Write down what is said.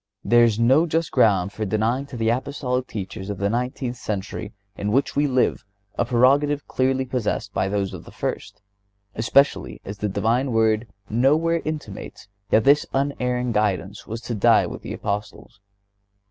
There is no just ground for denying to the Apostolic teachers of the nineteenth century in which we live a prerogative clearly possessed by those of the first, especially as the Divine Word nowhere intimates that this unerring guidance was to die with the Apostles.